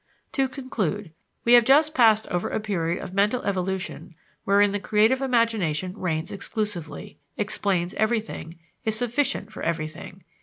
To conclude: We have just passed over a period of mental evolution wherein the creative imagination reigns exclusively, explains everything, is sufficient for everything.